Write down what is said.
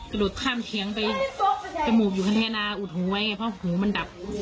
กระโดดข้ามเถียงไปไปหมู่อยู่ฆ่าแทนธาอุดหูไว้กระสุนหูมันดับ